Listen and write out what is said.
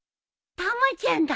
たまちゃんだ。